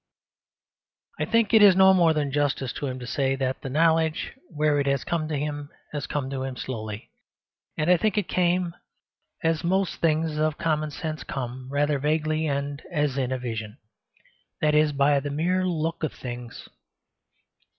I think it is no more than justice to him to say that the knowledge, where it has come to him, has come to him slowly; and I think it came (as most things of common sense come) rather vaguely and as in a vision that is, by the mere look of things.